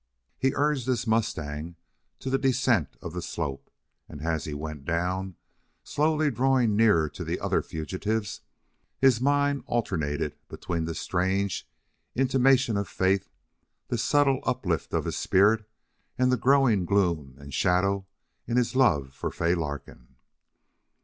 He urged his mustang to the descent of the slope, and as he went down, slowly drawing nearer to the other fugitives, his mind alternated between this strange intimation of faith, this subtle uplift of his spirit, and the growing gloom and shadow in his love for Fay Larkin.